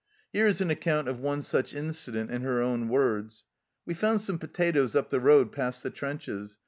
Here is an account of one such incident in her own words :" We found some potatoes up the road past the trenches.